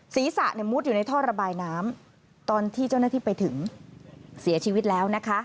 ศีรษะเนี่ยมุดอยู่ในท่อระบายน้ำตอนที่เจ้าหน้าที่ไปถึงเสียชีวิตแล้วนะคะ